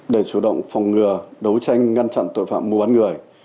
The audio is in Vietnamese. để chủ động phòng ngừa đấu tranh ngăn chặn tội phạm mua bán người